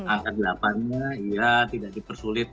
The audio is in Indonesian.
angka dilatapannya ya tidak dipersulit